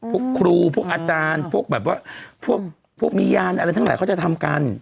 พวกครูพวกอาจารย์พวกแบบว่าพวกมียานอะไรทั้งหลายเขาจะทำกัน